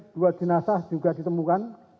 dua jenazah juga ditemukan